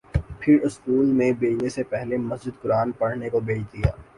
پھر اسکول میں بھیجنے سے پہلے مسجد قرآن پڑھنے کو بھیج دیا